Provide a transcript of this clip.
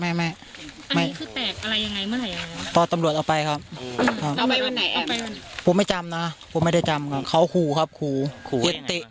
ไม่มีไม่มีไม่มีไม่มีไม่มีไม่มีไม่มีไม่มีไม่มีไม่มี